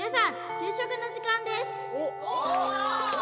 昼食の時間ですおお！